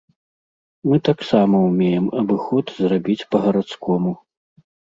Мы таксама ўмеем абыход зрабіць па-гарадскому.